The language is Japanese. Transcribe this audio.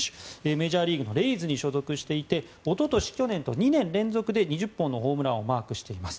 メジャーリーグのレイズに所属していて一昨年、去年と２年連続で２０本のホームランをマークしています。